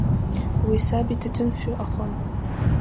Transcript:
Уи саб иҭаҭынфҩы ахын.